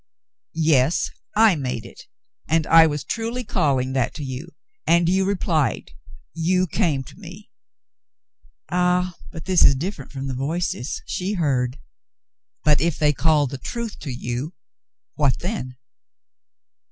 "Yes, I made it; and I was truly calling that to you. And you replied ; you came to me." "Ah, but that is different from the * Voices' she heard." But if they called the truth to you — what then